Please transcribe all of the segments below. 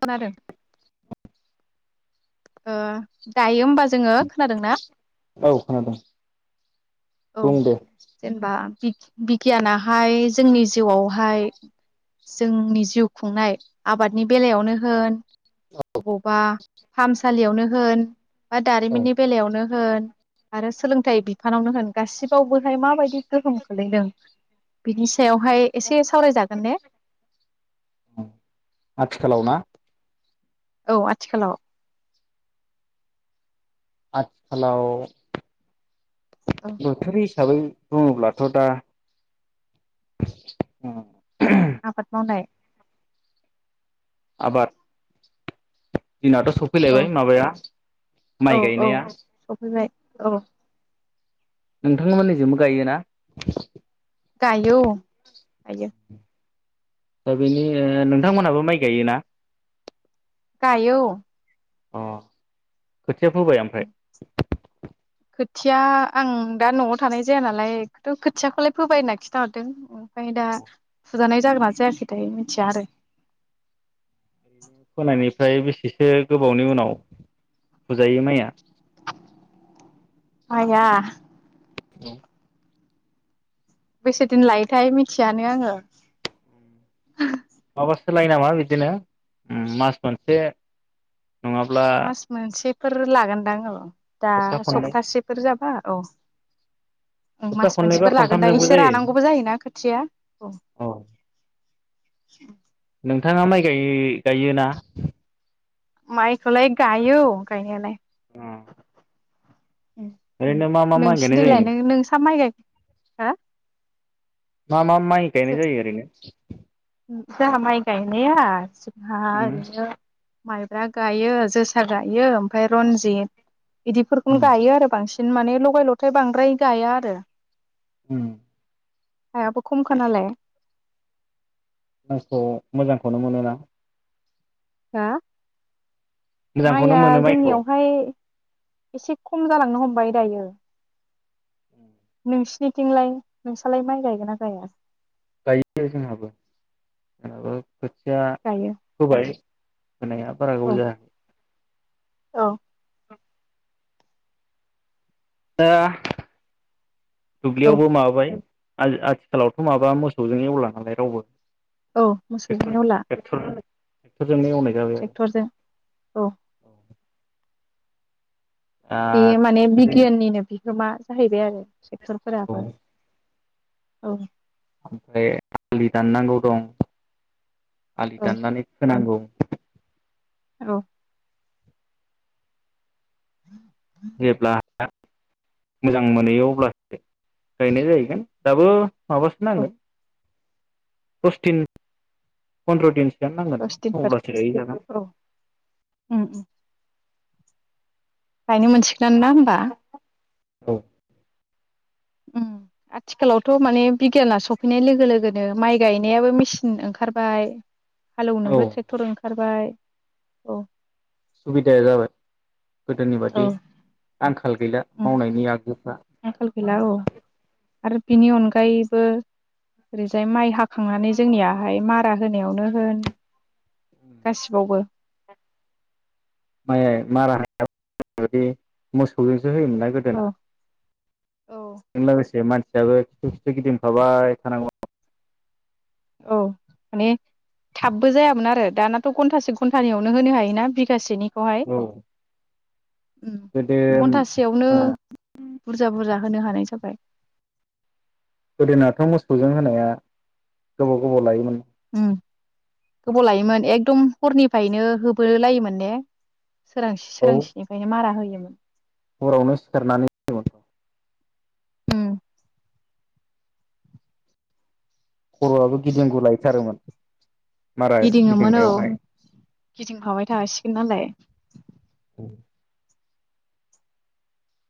खोनादों अ दायो होमबा जोङो खोनादोंना औ खोनादों औ बुं दे जेनेबा बिगियानाहाय जोंनि जिउआवहाय जोंनि जिउ खुंनाय आबादनि बेलायावनो होन अबावबा फाहामसा सालियावनो होन बा औ दारिमिननि बेलायावनो होन आरो सोलों फाहामथाय बिफानावनो होन गासिबावबोहाय माबायदि गोहोम खोलैदों बिनिस सायावहाय एसे सावरायजागोन ने? आथिखालाव ना औ आथिखालाव आथिलाव औ बोथोर इस हिसाबै बुङोब्लाथ दा उम आबाद मावनाय आबाद दिनाथ औ सफैलायबाय माबाया औ माइ औ गायनाया सफैबाय औ नोंथां मोननिजोंबो गायो ना? गायो औ गायो दा बेनि ओ नोंथांमोनहाबो माइ गायोना? गायो औ अ खोथिया फोबाय आमफ्राय? थिया आं दा नआव थानाय जाया नालाय खौथ खोथियाखौलाय फोबाय होनना खिन्थाहरदों उम ओमफाय दा फुजानाय जागोना जायाखैथाय मिथिया आरो फोनायनिफ्राय बेसेसो गोबावनि उनाव फुजायो माइया? माया औ बेसे दिन लायोथाय मिथियानो आङो सो लायो नामा बिदिनो मास मोनसे नङाब्ला मास मोनसे फोर लागोनदां औ दा सप्ता खननै सप्तासेफोर जाबा औ ओं सप्ता मास खननै बा मोनसेफोर लागोनदां खनथामजोंबो एसे जायो रानांगौबो जायोना खोथिया औ नोंथाङा माइ गाय-गायो ना? माइ खौलाय गायो औ गायनायालाय। ए ओरैनो मा मा माइ गायनाय नोंसिनिथिंलाय नों जायो नोंसा माइ गाय हो? मा मा माइ गायनाय जायो ओरैनो? जोहा माइ गायनाया हा उम ओरैनो माइब्रा गायो। जोसा गायो, ओमफ्राय रन्जित इदिफोरखौनो गायो आरो बांसिन। न माने लगाय लथाय बांद्राय गाया आरो। उम। हायाबो खमखा नालाय। माइखौ मोजांखौनो मोनोना? हा मोजांखौनो माइया मोनो माइखौ जोंनियावहाय एसे खम जालांनो हमबाय दायो। नोंसिनिथिंलाय नोंसालाय माइ गायगोन ना गाया? गायो जोंहाबो [unintelligible] खोथिया गायो फोबाय। फोनाया बारा गोबाव औ जायाखै। औ। दा औ दुब्लियावबो माबाबाय । आ-आथिखालावथ‌ माबा मोसौजों एवला नालाय रावबो। औ मोसौजों एवला। [unintelligible] जोंनो एवनाय जाबाय आरो। ट्रेक्टरजों औ बेयो माने दा बिगियाननिनो बिहोमा। [unintelligible] औ ट्रेक्टरफोराबो। औ। ओमफ्राय आलि दाननांगौ दं। आलि औ दाननानै खोनांगौ। औ। [unintelligible] जेब्ला [unintelligible] मोजां मोनहैयो अब्लासो गायनाय जाहैगोन दाबो माबासो औ नांगोन दस दिन पन्द्र' दिन दस [unintelligible] दिनफोर अब्लासो गायो दाना औ उम उम गायनो मोनसि दांना होमबा औ उम आथिखालावथ' माने बिगियाना सफैनाय लोगो लोगोनो माइ गायनायाबो मेचिन ओंखारबाय औ हालेवनोबो ट्रेक्टर ओंखारबाय औ सुबिदाया जाबाय गोदोनि बादि आंखाल गैला उम मावनायनि आगजुफ्रा आंखाल गैला औ आरो बिनि अनगायैबो ओरैजाय माइ हा खांनानै जोंनियाहाय मा रा होनायावनो होन गासिबावबो माइ मारा [unintelligible] मोसौजों सो होयोमोन गोदोना औ औ जों लोगोसे मान सियाबो खिथु खिथु गिदिंफाबाय थानांगौ। औ माने थाबबो जायामोन आरो दानाथ' घन्टसे घन्टानैयावनो होनो हायोना बिघासेनि औ गोदो ओम घन्टासेयावनो बुरजा बुरजा होनो हानाय जाबाय गोदोनाथ' मोसौजों होनाया गोबाव गोबाव लायोमोन। ओम गोबाव लायोमोन एकदम हरनिफ्रायनो होबो लायोमोन ने? सोरांसि औ सोरांसिनिफ्रायनो मारा होयो। [unintelligible] हरावनो सिखारनानै [unintelligible] ओम खर'आबो गिदिंगु लायथारोमोन गिदिङोमोन औ गिदिंफाबाय थासिगोन नालाय औ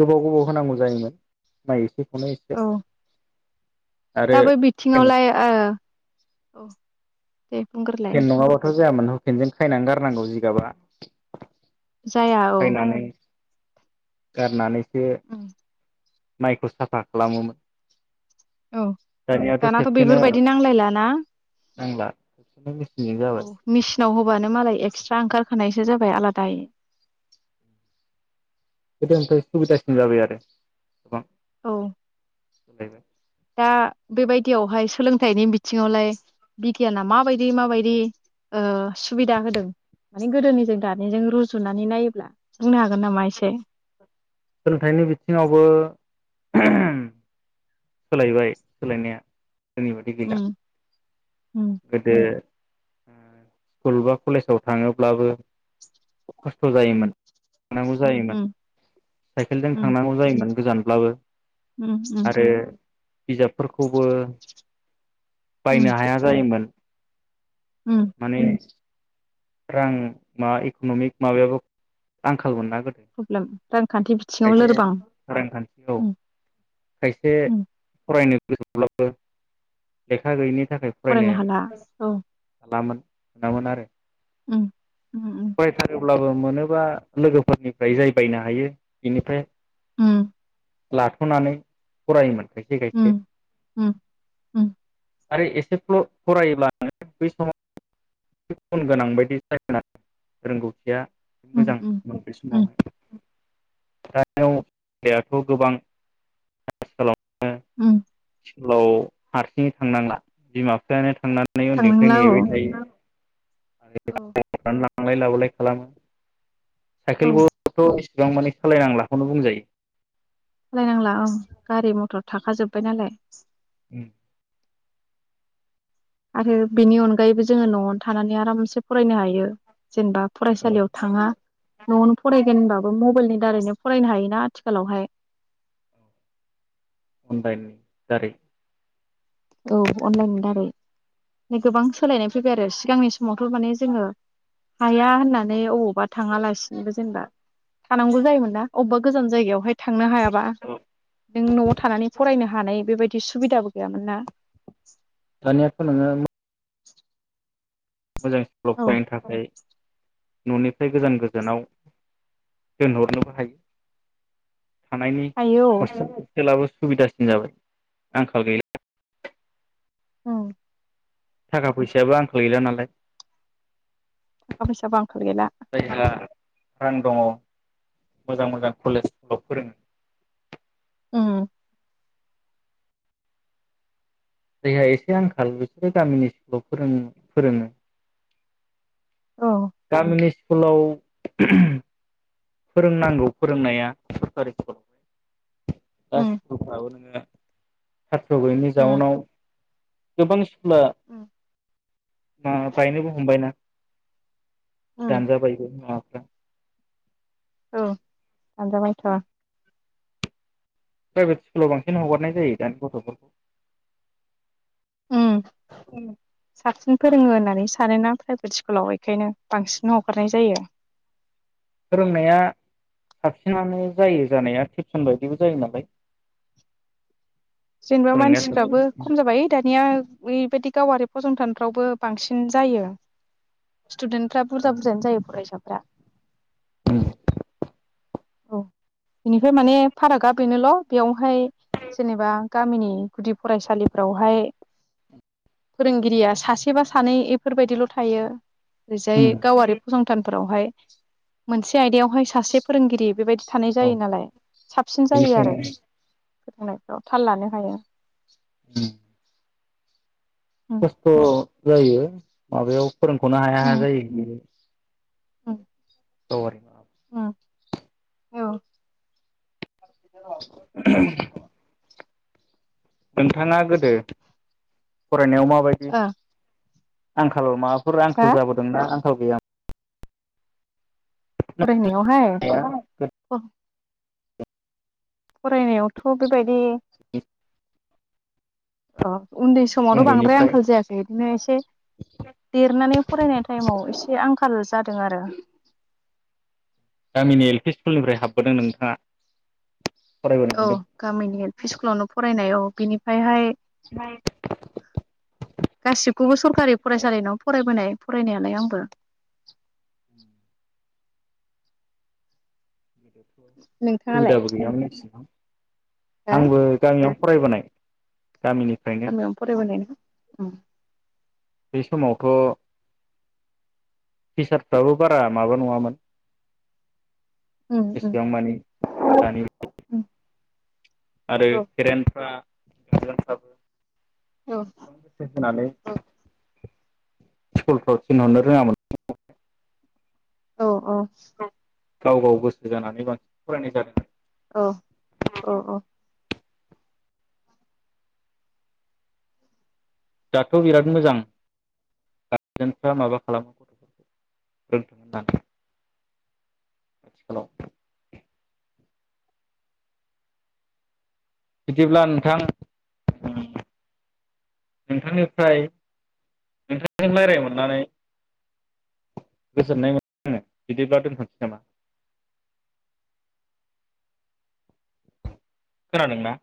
गोबाव गोबाव होनांगौ जायोमोन माइ इसे खौनो इसे औ दा बै बिथिङावलाय औ दे बुंग्रोलाय। नङाबाथ' जायामोन ना। जाया औ। गारनानै से उम [inaudible] माइखौ साफा खालामोमोन। औ दानियाथ' दानाथ' खेबसेनो बेफोरबायदि नांलायलाना? नांला। मेचिनजों औ जाबाय मेसिनाव होबानो मालाय एक्सट्रा ओंखारखायसो जाबाय आलादायै [inaudible] गोदोनिफ्राय सुबिदासिन जाबाय आरो गोबां। औ। [unintelligible] दा बेबायदियावहाय सोलोंथाइनि बिथिङावलाय बिगियाना माबायदि माबायदि ओ सुबिदा होदों माने गोदोनिजों दानिजों रुजुनानै नायोब्ला बुंनो हागोन नामा एसे। सोलोंथाइनि बिथिङावबो [unintelligible] सोलायबाय सोलायनाया। जोंनिबायदि गैला उम उम गोदो ओ स्कुल बा कलेजाव थाङोब्लाबो खस्थ' उम जायोमोन नांगौ उम साइकेलजों उम थांनांगौ जायोमोन। उम उम बिजाबफोरखौबो उम बायनो हाया जायोमोन। उम माने रां माबा इकनमिक माबायाबो आं [unintelligible] खान्थि बिथिङाव खायसे लोरबां रांखान्थि औ ओम। खायसे फरायनो गोसोब्लाबो लेखा गैयिनि फरायनो हाला औ। हालामोन मोनामोन आरो। ओम ओम ओम। अब्लाबो मोनोबा लोगोफोरनिफ्राय जाय बायनो हायो बेनिफ्राय ओम। लाथ'नानै फरायोमोन, खायसे खायसे उम उम उम आरो एसे फ्ल फरायोब्लानो बै समाव, गुन गोनां बायदि सायखोना आरो रोंगौथिया, उम उम मोजांमोन बे उम समावहाय, दानियाव देहाखौ गोबां खालाम, उम स्कुलाव हारसिङै थांनांला बिमा बिफायानो थांनानै उन्दैनिफ्राय थांनांला औ नेबाय थायो औ [unintelligible] लांलाय लाबोलाय खालामो, साइकेल औ बोथ' इसेबां मानि सोलायनांला खौनो बुंजायो। सोलायनांला औ गारि मथर थाखाजोबबाय नालाय, [inaudible] उम आरो बेनि अनगायैबो जोङो न'आवनो थानानै आरामसे फरायनो हायो, जेनेबा फरायसालियाव थाङा, न'आवनो फरायगोन होनबाबो मबाइलनि दारैनो फरायनो हायोना आथिखालावहाय, जाय दारि, औ अनलाइननि दारै गोबां सोलायनाय फैबाय आरो सिगांनि समावथ' माने जोङो, हाया होननानै अबावबा, थाङालासिनोबो जेनेबा थानांगौ जायोमोन ना अबेबा गोजान जायगायाव थांनो हायाब मा नों न'आव थानानै फरायनो हानाय बेबायदि, बिदि सुबिदाबो गैयामोन ना, [inaudible] दानियाथ' नोङो [inaudible] मोजां स्कुलाव औ फरायनो थाखाय, न'निफ्राय गोजान गोजानाव दोनहरनोबो हायो, थानायनि हायो औ हस्तेल, जेरावबो सुबिदासिन जाबाय आंखाल गैला, उम थाखा फैसायाबो आंखाल गैला नालाय, थाखा फैसाबो आंखाल गैला, जायहा रां दङो मोजां मोजां कलेजफोराव फोरोङो, उम जायहा एसे आंखाल बिसोरो गामिनि स्कुलाव फोरों फोरोङो। औ गामिनि स्कुलाव फोरोंनांगौ फोरोंनाया सरकारि स्कुल दा उम स्कुल फ्राबो नोङो साथ्र गैयिनि उम जाउनाव गोबां सु बा उम बायनोबो हमबायना । उम दानजाबायबो माबाफ्रा औ दानजाबाय थ प्राइभेट स्कुलाव बांसिन हगारनाय जायो दानि गथफोरखौ। उम साबसिन फोरोङो होननानै। सानोना प्राइभेट स्कुलाव बेखायनो बांसिन हगारनाय जायो। फोरोंनाया साबसिनानो जायो जानाया टिउसन बायदिबो जायो नालाय। जेनेबा फोरोंनाया साबसिन मानसिफ्राबो खम जाबाय दानिया। ओरैबायदि गावारि फसंथानफ्रावबो बांसिन जायो। सितुदेन्टफ्रा बुरजा बुरजायानो जायो फरायसा फ्रा उम औ बेनिफ्राय माने फारागा बेनोल बेयावहाय जेनेबा गामिनि गुदि फरायसालिफोरावहाय फोरोंगिरिया सासे बा सानै एफोर बायदिल थायो। ओरैजाय उम गावारि फसंथानफोरावहाय मोनसे आयदायाव। हाय सासे फोरोंगिरि बेबायदि थानाय औ जायो नालाय साबसिन जायो बेनिखायनो आरो फोरोंनायफ्राव थाल लानो हायो। उम उम खस्थ जायो। माबायाव फोरोंखनो हाया उम हाया जायो । उम [unintelligible] औ ओ [unintelligible] नोंथाङा गोदो फरायनायाव माबायदि हा आंखालाव मा फुरा आंखाल जाबोदों ना आंखाल गैया फरायनायावहाय? फरायनायावथ' बेबायदि अ उन्दै समावथ बांद्राय उन्दैनिफ्राय आंखाल जायाखै बिदिनो एसे देरनानै फरायनाय टाइमाव एसे आंखा ल जादों आरो। गामिनि एल पि स्कुलनिफ्राय हाबबोदों नोंथाङा? फरायबोनो औ मोनदों गामिनि एल पि स्कुलावनो फरायनाय औ। बेनिफ्रायहाय फ्राय गासिबखौबो सरखारि फरायसालिनाव फरायबोनाय फरायनायालाय आंबो । [unintelligible] नोंथाङालाय सुबिदाबो गैयामोन नोंसि हा आंबो गामियाव फरायबोनाय । गामियावनो फरायबोनाय ना? होम बे समावथ टिचारफ्राबो बारा माबा नङामोन उम एसेबां मानि दानि उम आरो औ पेरेन्टफ्रा [unintelligible] एसेबां औ गोसो होनानै औ स्कुलफ्राव थिनहरनो रोङामोन । औ औ गाव गाव गोसो जानानै बांसिन फरायनाय जादोंमोन । औ औ औ दाथ‌' बिराद मोजां गारजेनफ्रा माबा खालामो गथ'फोरखौ रोंथों होननानै स्कुलाव बिदिब्ला नोंथां नोंथांनिफ्राय नोंथांजों रायलायनो मोननानै गोजोननाय मोनबाय आङो बिदिब्ला दोनथ'सै नामा? खोनादोंना?